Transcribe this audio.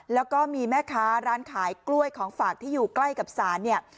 แล้วก็มีแม่ค้าร้านขายกล้วยของฝากที่อยู่ใกล้กับศาลเนี่ย